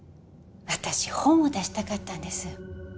私本を出したかったんです。